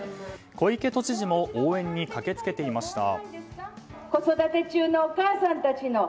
小池都知事も応援に駆け付けていました。